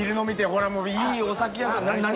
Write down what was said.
ほらもういいお酒屋さん何？